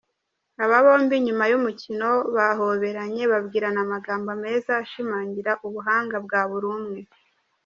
Aba bombi nyuma y’umukino bahoberanye, babwirana amagambo meza ashimangira ubuhanga bwa buri umwe.